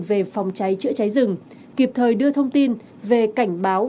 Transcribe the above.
về phòng cháy chữa cháy rừng kịp thời đưa thông tin về cảnh báo